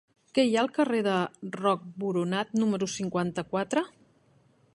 Què hi ha al carrer de Roc Boronat número cinquanta-quatre?